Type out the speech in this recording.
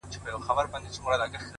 مثبت چلند د چاپېریال رنګ بدلوي